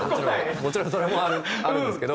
もちろんそれもあるんですけど。